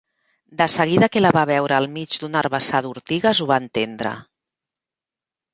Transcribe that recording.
De seguida que la va veure al mig d'un herbassar d'ortigues ho va entendre.